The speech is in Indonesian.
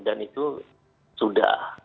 dan itu sudah